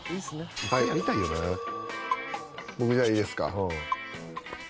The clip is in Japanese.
僕じゃあいいですか？